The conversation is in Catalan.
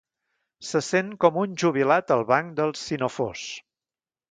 Se sent com un jubilat al banc del sinofós.